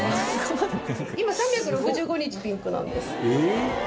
今３６５日ピンクなんです。